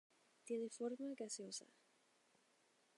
Tiene forma gaseosa.